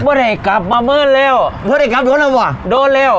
เมื่อไหร่กลับมาเมิ้นเร็วเมื่อไหร่กลับโดนเร็วโดนเร็ว